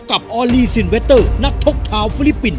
กับออลลีซินเวตเตอร์ณท็อกทาวน์ฟรีปินด์